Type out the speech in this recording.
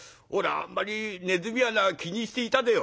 あんまり鼠穴気にしていたでよ」。